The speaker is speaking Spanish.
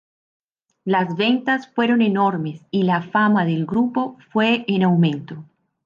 Las ventas fueron enormes y la fama del grupo fue en aumento.